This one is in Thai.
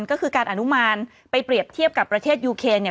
ก็คือการอนุมานไปเปรียบเทียบกับประเทศยูเคนเนี่ย